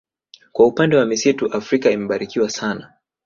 Kwa upande wa misitu Afrika imebarikiwa sana